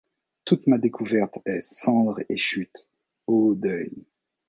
Toute ma découverte est, cendre et chute. Ô deuil !